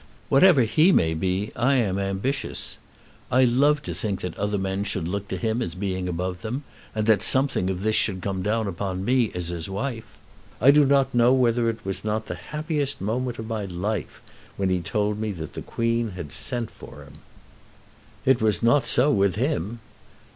Whatever he may be, I am ambitious. I love to think that other men should look to him as being above them, and that something of this should come down upon me as his wife. I do not know whether it was not the happiest moment of my life when he told me that the Queen had sent for him." "It was not so with him."